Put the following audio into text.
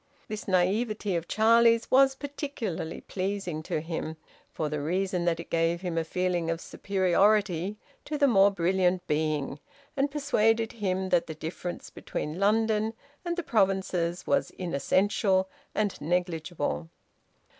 This naivete of Charlie's was particularly pleasing to him, for the reason that it gave him a feeling of superiority to the more brilliant being and persuaded him that the difference between London and the provinces was inessential and negligible.